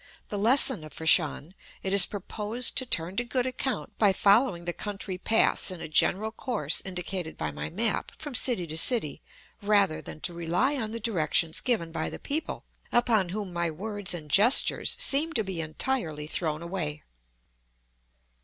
The lesson of Fat shan it is proposed to turn to good account by following the country paths in a general course indicated by my map from city to city rather than to rely on the directions given by the people, upon whom my words and gestures seem to be entirely thrown away.